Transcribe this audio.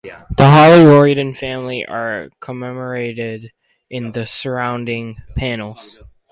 The Holroyd family are commemorated in the surrounding panels.